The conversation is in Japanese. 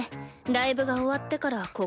ライブが終わってから心